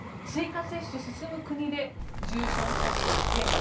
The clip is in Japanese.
追加接種進む国で重症者数減。